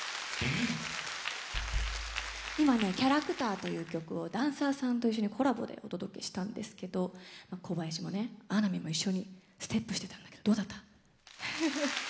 今、「キャラクター」という曲をダンサーさんと一緒にコラボでお届けしたんですけど小林も穴見も一緒にステップしてたけどどうだった？